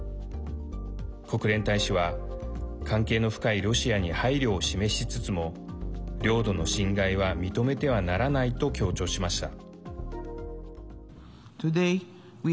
国連大使は関係の深いロシアに配慮を示しつつも領土の侵害は認めてはならないと強調しました。